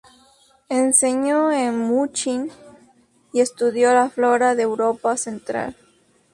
Enseñó en Múnich y estudió la flora de Europa central.